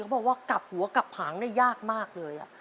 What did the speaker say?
บอกว่ากลับหัวกลับผางได้ยากมากเลย